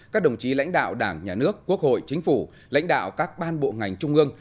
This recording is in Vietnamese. các đồng chí lãnh đạo đảng nhà nước quốc hội chính phủ lãnh đạo các ban bộ ngành trung ương